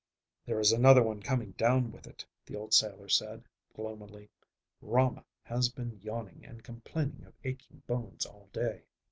"There is another one coming down with it," the old sailor said gloomily. "Rama has been yawning and complaining of aching bones all day."